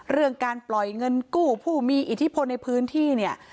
เรื่องการปล่อยเงินกู้ผู้มีอิทธิพลในพื้นที่เนี่ย